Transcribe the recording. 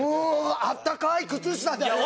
あったかい靴下だよ